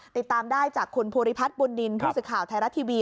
ติดตามได้จากคุณภูริพัฒน์บุญนินทร์ผู้สื่อข่าวไทยรัฐทีวี